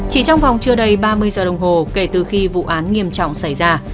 chỉ trong vòng chưa đầy ba mươi giờ đồng hồ kể từ khi vụ án nghiêm trọng xảy ra